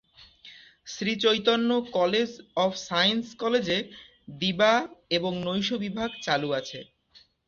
Sri Chaitanya college of science কলেজে দিবা এবং নৈশ বিভাগ চালু আছে।